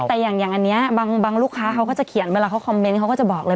แต่อย่างอันนี้บางลูกค้าเขาก็จะเขียนเวลาเขาคอมเมนต์เขาก็จะบอกเลย